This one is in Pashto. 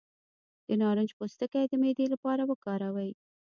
د نارنج پوستکی د معدې لپاره وکاروئ